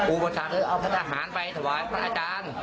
อุปสรรคเอาพระทหารไปถวายพระอาจารย์